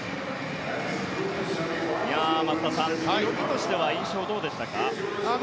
松田さん、泳ぎとしては印象どうでしたか？